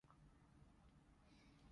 呢班海外精英回留香港